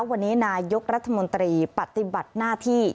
วันนี้นายกรัฐมนตรีปฏิบัติหน้าที่